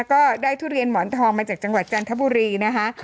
ก็ได้ทุเรียนหมอนทองมาจากจังหวัดจันทบุรีนะคะ